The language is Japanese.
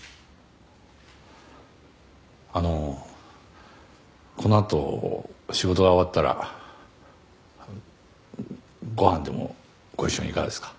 あのこのあと仕事が終わったらご飯でもご一緒にいかがですか？